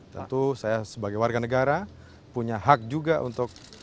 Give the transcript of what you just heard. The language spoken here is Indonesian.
tentu saya sebagai warga negara punya hak juga untuk